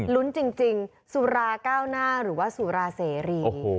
ลุ้นจริงสุราเก้าหน้าหรือว่าสุราเสรี